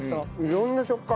色んな食感。